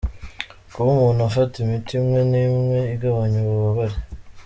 Kuba umuntu afata imiti imwe n’imwe igabanya ububabare.